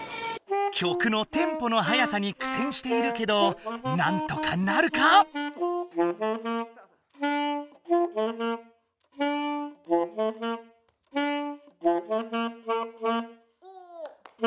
曲のテンポの速さにくせんしているけどなんとかなるか⁉お！